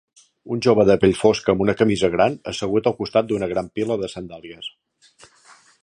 Un jove de pell fosca amb una camisa gran assegut al costat d'una gran pila de sandàlies.